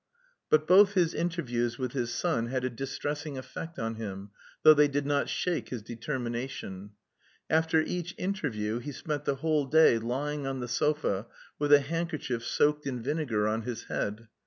But both his interviews with his son had a distressing effect on him, though they did not shake his determination. After each interview he spent the whole day lying on the sofa with a handkerchief soaked in vinegar on his head.